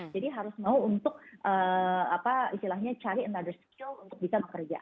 jadi harus mau untuk apa istilahnya cari another skill untuk bisa bekerja